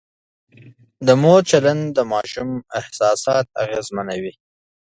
د مور چلند د ماشوم احساسات اغېزمنوي.